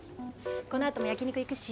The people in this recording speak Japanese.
このあとも焼き肉行くし。